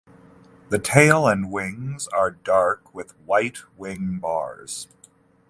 The tail and wings are dark with white wing bars.